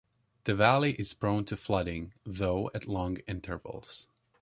The valley is prone to flooding, though at long intervals.